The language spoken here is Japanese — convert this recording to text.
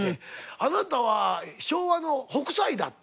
「あなたは昭和の北斎だ」って。